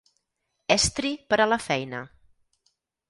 Estri per a la feina.